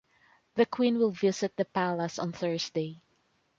The queen will visit the palace on Thursday.